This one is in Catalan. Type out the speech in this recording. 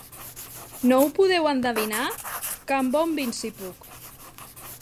"No ho podeu endevinar?" "Que em bombin si puc."